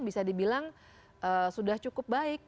bisa dibilang sudah cukup baik